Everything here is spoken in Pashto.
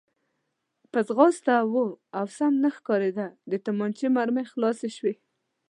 په ځغاسته و او سم نه ښکارېده، د تومانچې مرمۍ خلاصې شوې.